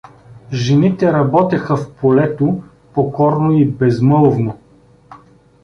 Жените работеха в полето покорно и безмълвно.